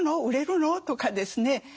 売れるの？とかですね。